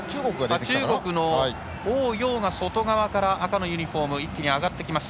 中国の王洋が外側から赤のユニフォーム一気に上がってきた。